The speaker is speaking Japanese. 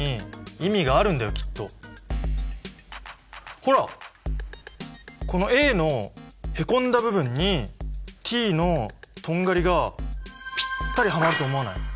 ほらこのＡのへこんだ部分にＴのとんがりがピッタリはまると思わない？